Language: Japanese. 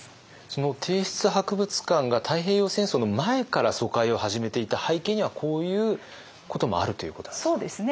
その帝室博物館が太平洋戦争の前から疎開を始めていた背景にはこういうこともあるということなんですか。